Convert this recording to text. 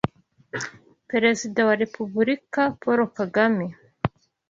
Perezida wa Repubulika Paul Kagame